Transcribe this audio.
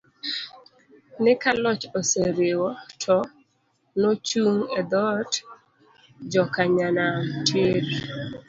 ni ka loch oseriwo, to nochung e dhood jokanyanam tiir!!